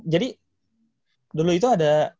jadi dulu itu ada